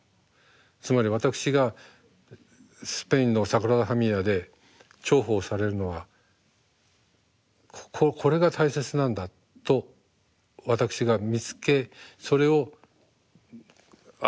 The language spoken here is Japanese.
つまり私がスペインのサグラダ・ファミリアで重宝されるのは「これが大切なんだ」と私が見つけそれを表してる。